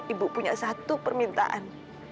ibu punya satu permintaan